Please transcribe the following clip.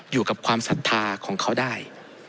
อยู่กับความศรัทธาของเขาได้